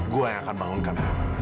gue yang akan bangunkan kamu